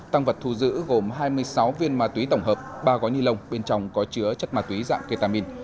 tăng vật thu giữ gồm hai mươi sáu viên ma túy tổng hợp ba gói ni lông bên trong có chứa chất ma túy dạng ketamin